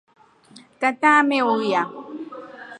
Tata ameuya.